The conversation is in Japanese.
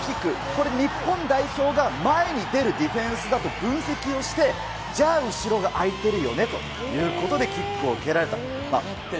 これ、日本代表が前に出るディフェンスだと分析をして、じゃあ、後ろがあいてるよねということで、キックを蹴られた。